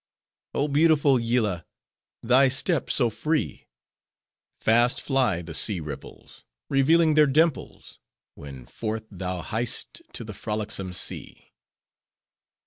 Oh beautiful Yillah! Thy step so free!— Fast fly the sea ripples, Revealing their dimples, When forth, thou hi'st to the frolicsome sea!